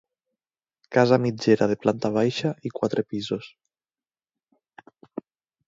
Casa mitgera de planta baixa i quatre pisos.